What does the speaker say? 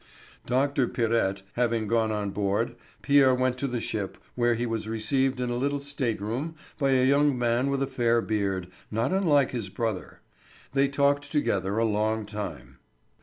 Dr. Pirette having gone on board, Pierre went to the ship, where he was received in a little state room by a young man with a fair beard, not unlike his brother. They talked together a long time.